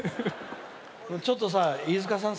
ちょっと、飯塚さん